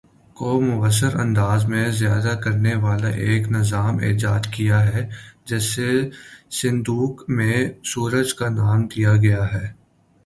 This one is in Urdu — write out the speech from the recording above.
کو مؤثر انداز میں ذیادہ کرنے والا ایک نظام ایجاد کیا ہے جسے صندوق میں سورج کا نام دیا گیا ہے